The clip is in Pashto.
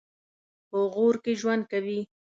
په غور کې ژوند کوي.